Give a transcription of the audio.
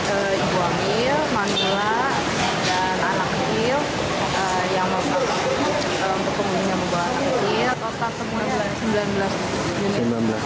kursi prioritas yang memang untuk pengundung yang mau kembang